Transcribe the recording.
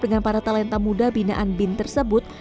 dengan para talenta muda binaan bin tersebut